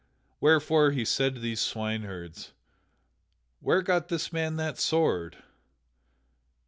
Wherefore he said to those swineherds, "Where got this man that sword?"